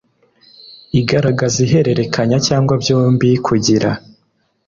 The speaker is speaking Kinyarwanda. igaragaza ihererekanya cyangwa byombi kugira